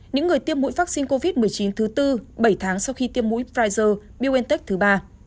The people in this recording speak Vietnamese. những người tiêm mũi vaccine covid một mươi chín thứ bốn bảy tháng sau khi tiêm mũi pfizer biontech thứ ba